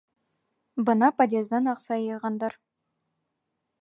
Бына подъездан аҡса йыйғандар.